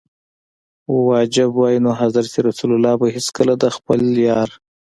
واجب وای نو حضرت رسول ص به هیڅکله د خپل یار.